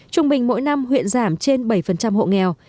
trung bình mỗi năm huyện giảm trên bảy hộ nghèo